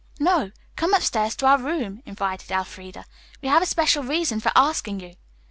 "No; come upstairs to our room," invited Elfreda. "We have a special reason for asking you."